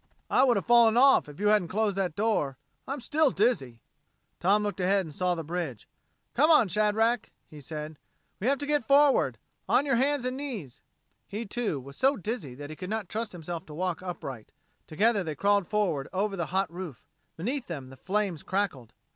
"I would have fallen off, if you hadn't closed that door. I'm still dizzy." Tom looked ahead and saw the bridge. "Come on, Shadrack," he said. "We have to get forward. On your hands and knees." He, too, was so dizzy that he could not trust himself to walk upright. Together they crawled forward over the hot roof. Beneath them the flames crackled.